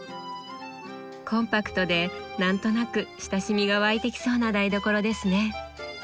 コンパクトで何となく親しみが湧いてきそうな台所ですね。